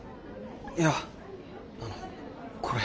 いやあのこれ。